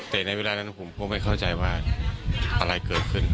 แต่ในเวลานั้นผมก็ไม่เข้าใจว่าอะไรเกิดขึ้น